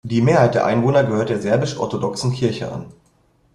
Die Mehrheit der Einwohner gehört der Serbisch-orthodoxen Kirche an.